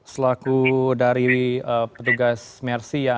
selaku dari petugas mersi